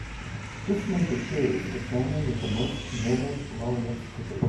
This made the Curies the family with the most Nobel laureates to date.